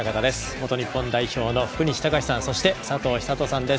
元日本代表の福西崇史さんそして佐藤寿人さんです。